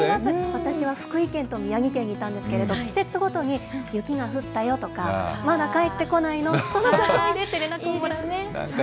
私は福井県と宮城県にいたんですけれども、季節ごとに雪が降ったよとか、まだ帰ってこないのという連絡をもらうんです。